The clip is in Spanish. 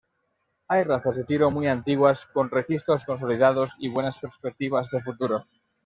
Hay razas de tiro muy antiguas, con registros consolidados y buenas perspectivas de futuro.